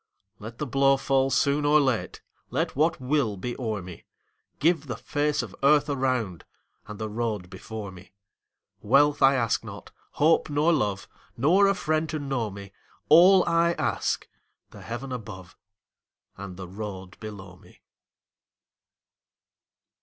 Let the blow fall soon or late, Let what will be o'er me; Give the face of earth around, And the road before me. Wealth I ask not, hope nor love, Nor a friend to know me; All I ask, the heaven above And the road below me.